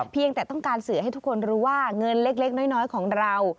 เพียงแต่ต้องการสื่อให้ทุกคนรู้ว่าเงินเล็กน้อยของเรา